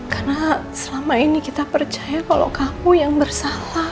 karena selama ini kita percaya kalau kamu yang bersalah